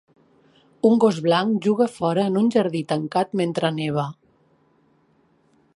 Un gos blanc juga fora en un jardí tancat mentre neva.